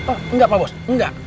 oh enggak pak bos enggak